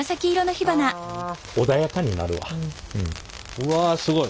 うわすごい。